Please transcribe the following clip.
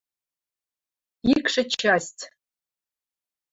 ИКШӸ ЧАСТЬ